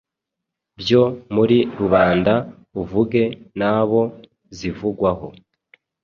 byo muri rubanda uvuge n’abo zivugwaho.